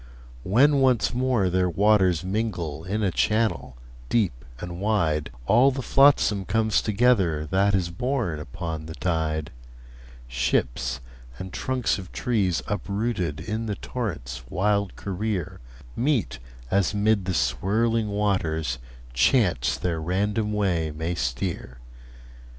When once more their waters mingle In a channel deep and wide, All the flotsam comes together That is borne upon the tide: Ships, and trunks of trees, uprooted In the torrent's wild career, Meet, as 'mid the swirling waters Chance their random way may steer.